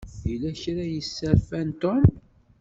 Yella kra i yesserfan Tom.